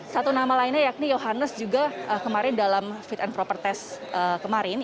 satu nama lainnya yakni johannes juga kemarin dalam fit and proper test kemarin